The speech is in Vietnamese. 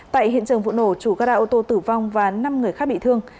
tại hiện trường vụ nổ chủ gara ô tô tử vong và năm người khác bị thương